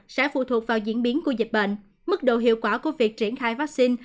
sẽ phụ thuộc vào diễn biến của dịch bệnh mức độ hiệu quả của việc triển khai vaccine